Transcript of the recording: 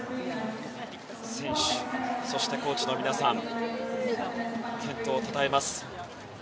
選手、そしてコーチの皆さんが健闘を称えます。